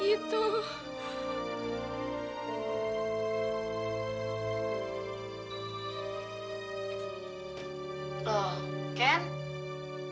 kalian harus sampe susah kayak gitu